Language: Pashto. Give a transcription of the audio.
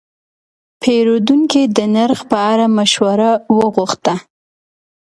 پیرودونکی د نرخ په اړه مشوره وغوښته.